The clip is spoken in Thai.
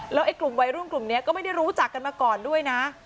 แล้วไอ้กลุ่มวัยรุ่นกลุ่มนี้ก็ไม่ได้รู้จักกันมาก่อนด้วยนะ